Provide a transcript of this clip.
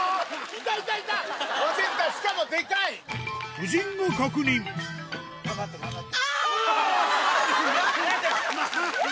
夫人が確認頑張って頑張って！